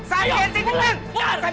saya yang cintakan